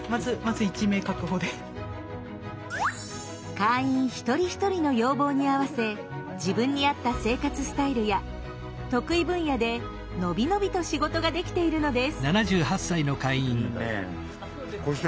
会員１人１人の要望に合わせ自分に合った生活スタイルや得意分野で伸び伸びと仕事ができているのです。